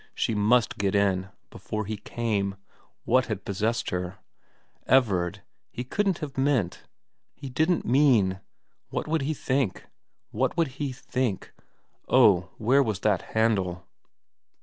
She must get in before he came what had possessed her ? Everard he couldn't have XK VERA 213 mean't lie didn't mean what would he think what would he think oh, where was that handle